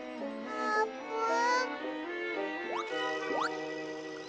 あーぷん。